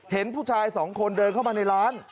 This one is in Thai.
เห็นผู้ชายสองคนเดินเข้ามาในร้าน